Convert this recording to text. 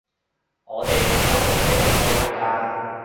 我哋層樓仲未搵到買家